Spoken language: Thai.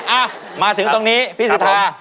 อ่ะมาถึงตรงนี้พี่สิทธา